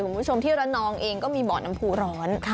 ผมชมเที่ยวละนองเองก็มีบ่อน้ำผู้ร้อน